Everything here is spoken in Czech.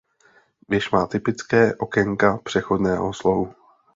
Věž má typické okénka přechodného slohu.